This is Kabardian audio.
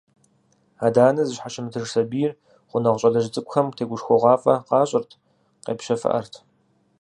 Адэ-анэ зыщхьэщымытыж сэбийр, гъунэгъу щалэжь цӏыкӏухэм тегушхуэгъуафӏэ къащӏырт, къепщэфыӏэрт.